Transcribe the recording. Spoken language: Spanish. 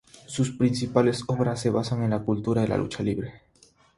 Sus principales obras se basan en la cultura de la lucha libre.